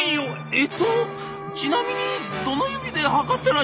「えっとちなみにどの指で測ってらっしゃいます？」。